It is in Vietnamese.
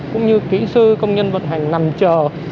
cũng như kỹ sư công nhân vận hành nằm chờ